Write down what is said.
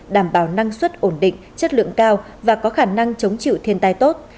đảm bảo năng suất ổn định chất lượng cao và có khả năng chống chịu thiên tai tốt